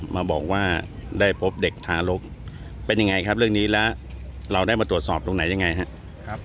มาบอกว่าได้พบเด็กทารกเป็นยังไงครับเรื่องนี้แล้วเราได้มาตรวจสอบตรงไหนยังไงครับ